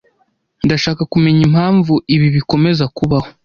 Ndashaka kumenya impamvu ibi bikomeza kubaho.